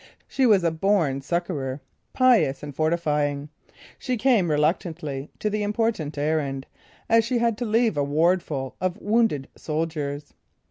She was a born succorer, pious and fortifying. She came reluctantly to the important errand, as she had to leave a wardful of wounded soldiers.